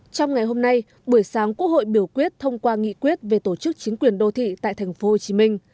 trong ngày hôm nay buổi sáng quốc hội biểu quyết thông qua nghị quyết về tổ chức chính quyền đô thị tại tp hcm